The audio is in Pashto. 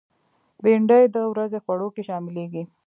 بېنډۍ د ورځې خوړو کې شاملېږي